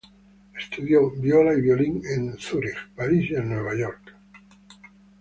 Estudió viola y violin en Zürich, París y Nueva York.